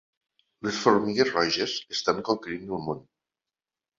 Les formigues roges estan conquerint el món.